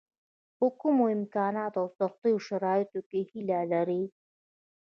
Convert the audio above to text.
په کمو امکاناتو او سختو شرایطو کې هیله لري.